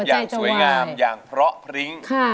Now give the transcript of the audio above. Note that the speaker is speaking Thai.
อย่างสวยงามอย่างเพราะพริ้ง